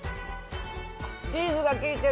チーズが効いてる。